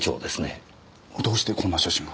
どうしてこんな写真が。